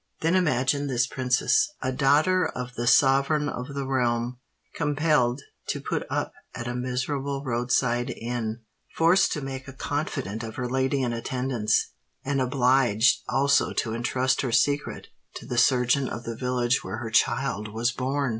Then imagine this princess—a daughter of the sovereign of the realm—compelled to put up at a miserable road side inn—forced to make a confidant of her lady in attendance, and obliged also to entrust her secret to the surgeon of the village where her child was born!